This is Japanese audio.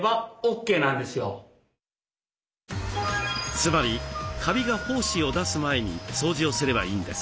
つまりカビが胞子を出す前に掃除をすればいいんです。